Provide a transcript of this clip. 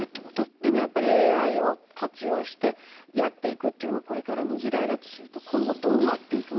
でもやっぱりＡＩを活用してやっていくっていうのがこれからの時代だとすると今後どうなっていくのか？